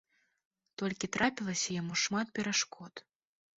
Толькі трапілася яму шмат перашкод.